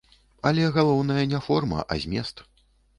Але галоўнае не форма, а змест.